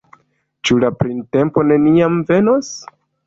Ĉu la printempo neniam venos?